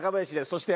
そして。